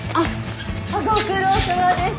ご苦労さまです。